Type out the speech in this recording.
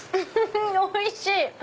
おいしい！